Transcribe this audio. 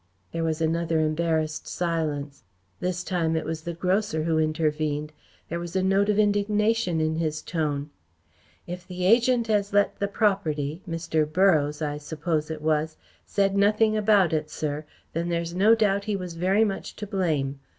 There was another embarrassed silence. This time it was the grocer who intervened. There was a note of indignation in his tone. "If the agent as let the property Mr. Borroughes, I suppose it was said nothing about it, sir, then there's no doubt he was very much to blame.